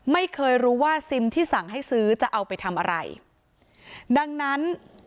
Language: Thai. ไม่รู้ว่าซิมที่สั่งให้ซื้อจะเอาไปทำอะไรดังนั้น